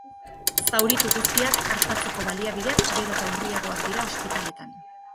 Zauritu guztiak artatzeko baliabideak gero eta urriagoak dira ospitaletan.